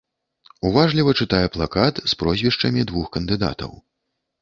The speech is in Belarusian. Уважліва чытае плакат з прозвішчамі двух кандыдатаў.